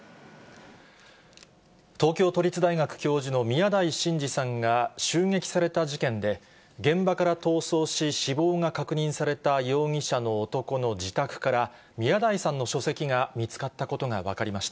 東京都立大学教授の宮台真司さんが襲撃された事件で、現場から逃走し、死亡が確認された容疑者の男の自宅から、宮台さんの書籍が見つかったことが分かりました。